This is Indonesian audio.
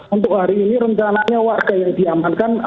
untuk hari ini rencananya warga yang diamankan